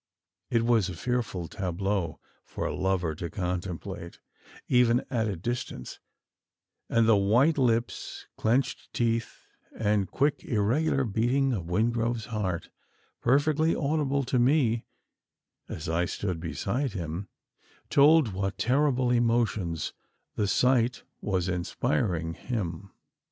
It was a fearful tableau for a lover to contemplate even at a distance; and the white lips, clenched teeth, and quick irregular beating of Wingrove's heart perfectly audible to me as I stood beside him told with what terrible emotions the sight was inspiring him.